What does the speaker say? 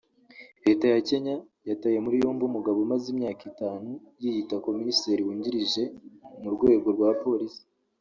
Leta ya Kenya yataye muri yombi umugabo umaze imyaka itanu yiyita komiseri wungirije mu rwego rwa Polisi